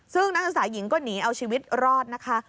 ซึ่งนักศึกษาหญิงก็หนีเอาชีวิตรอดนะคะ